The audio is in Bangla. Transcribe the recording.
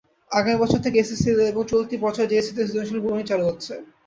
আগামী বছর থেকে এসএসসিতে এবং চলতি বছরে জেএসসিতে সৃজনশীল গণিত চালু হচ্ছে।